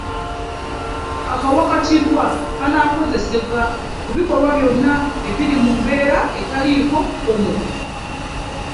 Akawakatirwa ; -ngana- kakozesebwa ku bikolwa byonna ebiri mu mbeera etaliiko kkomo.